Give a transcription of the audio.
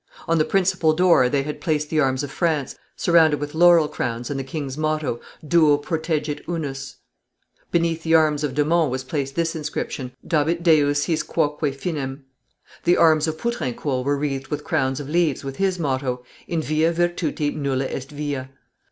On the principal door they had placed the arms of France, surrounded with laurel crowns, and the king's motto: Duo protegit unus. Beneath the arms of de Monts was placed this inscription: Dabit Deus his quoque finem. The arms of Poutrincourt were wreathed with crowns of leaves, with his motto: In via virtuti nulla est via.